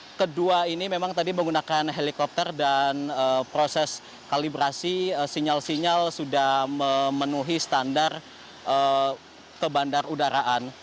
yang kedua ini memang tadi menggunakan helikopter dan proses kalibrasi sinyal sinyal sudah memenuhi standar ke bandar udaraan